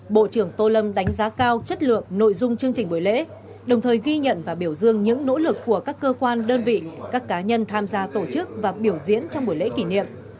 bộ trưởng tô lâm đánh giá cao chất lượng nội dung chương trình buổi lễ đồng thời ghi nhận và biểu dương những nỗ lực của các cơ quan đơn vị các cá nhân tham gia tổ chức và biểu diễn trong buổi lễ kỷ niệm